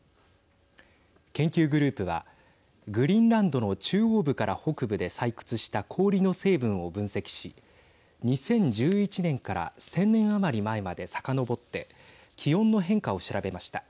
研究グループはグリーンランドの中央部から北部で採掘した氷の成分を分析し２０１１年から１０００年余り前までさかのぼって気温の変化を調べました。